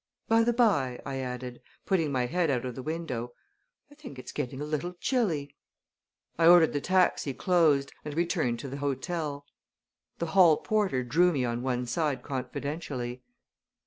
By the by," I added, putting my head out of the window, "I think it's getting a little chilly." I ordered the taxi closed and we returned to the hotel. The hall porter drew me on one side confidentially.